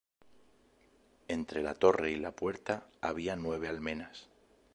Entre la torre y la puerta había nueve almenas.